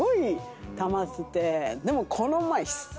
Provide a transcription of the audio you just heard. でも。